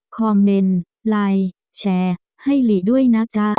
คอมเมนต์ไลน์แชร์ให้หลีด้วยนะจ๊ะ